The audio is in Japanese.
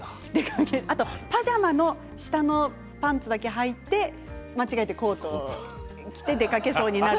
あとパジャマの下のパンツをはいて間違えてコートを着て出かけそうになる。